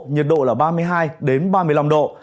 nhiệt độ là ba mươi hai ba mươi năm độ